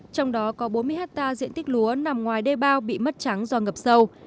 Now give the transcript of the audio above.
trong đó có bốn mươi hectare diện tích lúa nằm ngoài đê bao bị mất trắng do ngập sâu